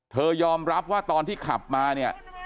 ยอมรับว่าตอนที่ขับมาเนี่ย